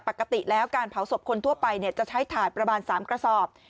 ปกติแล้วการเผาศพคนทั่วไปจะใช้ถาดประมาณ๓กระสอบ